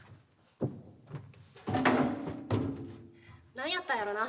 何やったんやろな